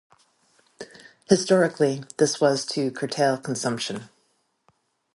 Historically, this was to curtail consumption.